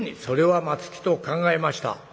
「それは松木と考えました。